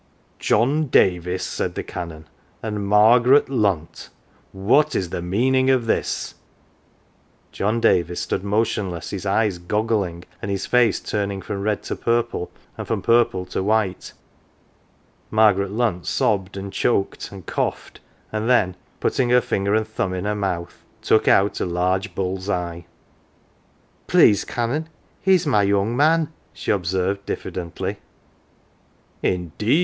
" John Davis," said the Canon, " and Margaret Lunt, what is the meaning of this ?" John Davis stood motionless, his eyes goggling, and his face turning from red to purple and from purple to white. Margaret Lunt sobbed, and choked, and coughed, and then putting her finger and thumb in her mouth took out a large bull's eye. " Please Canon, he's my young man,'" she observed, diffidently. " Indeed